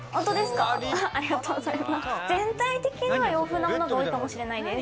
全体的には、洋風なものが多いかもしれないです。